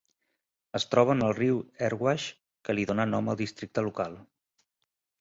Es troba en el riu Erewash, que li dona nom al districte local.